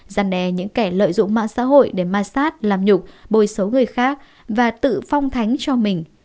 giăn đe những kẻ lợi dụng mạng xã hội để massat làm nhục bồi xấu người khác và tự phong thánh cho mình